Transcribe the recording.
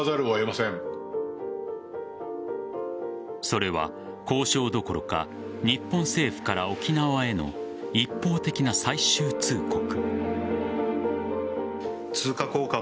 それは、交渉どころか日本政府から沖縄への一方的な最終通告。